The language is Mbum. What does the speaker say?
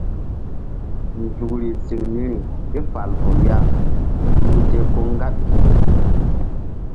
Nzuk ziŋ niri ke fal vul ya suhze ko ŋgaɓi.